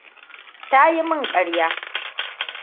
Ta yi min karya.